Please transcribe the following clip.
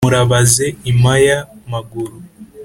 Murabaze Impayamaguru